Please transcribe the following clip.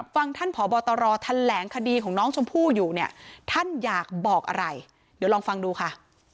ฟังท่านผอบตรแถลงคดีของน้องชมพู่อยู่เนี่ยท่านอยากบอกอะไรเดี๋ยวลองฟังดูค่ะ